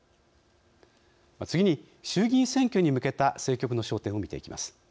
次に、衆議院選挙に向けた政局の焦点を見ていきます。